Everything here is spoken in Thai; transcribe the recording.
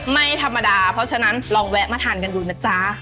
ไม่ธรรมดาเพราะฉะนั้นลองแวะมาทานกันดูนะจ๊ะ